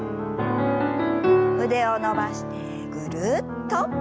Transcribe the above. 腕を伸ばしてぐるっと。